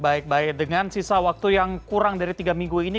baik baik dengan sisa waktu yang kurang dari tiga minggu ini